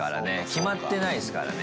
決まってないですからね。